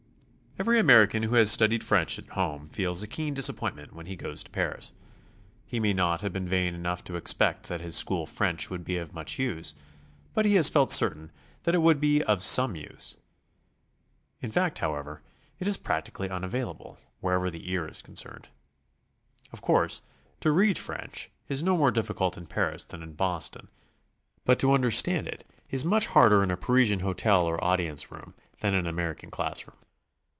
Every American who has studied French at home teels a keen disappointment when he goes to Paris. He may not have been vain enough to expect that his school French would be of much use, but he has felt certain that it would be be of some use. In fact, however, it is practically unavail able, wiherever the ear is concerned. Of course, to read French is no more difficult in Paris than in Boston, but to understand it is much harder in a Pahsian hotel or audience room than in an American class room.